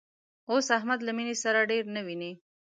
اوس احمد له مینې سره ډېر نه ویني